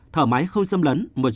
thở máy không xâm lấn